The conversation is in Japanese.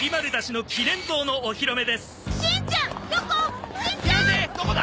どこだ！